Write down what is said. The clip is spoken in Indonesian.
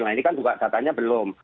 nah ini kan juga datanya belum